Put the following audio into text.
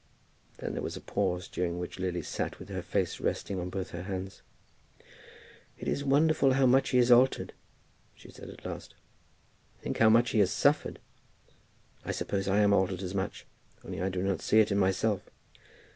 Then there was a pause, during which Lily sat with her face resting on both her hands. "It is wonderful how much he is altered," she said at last. "Think how much he has suffered." "I suppose I am altered as much, only I do not see it in myself."